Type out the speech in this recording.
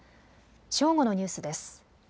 正午のニュースです。